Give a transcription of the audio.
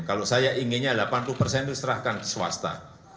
kalau saya inginnya delapan puluh persen itu serahkan ke swasta